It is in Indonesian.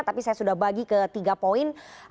tapi saya sudah bagi ke tiga poin